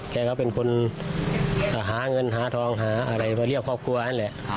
แกก็เป็นคนหาเงินหาทองหาอะไรมาเรียกครอบครัวนั่นแหละ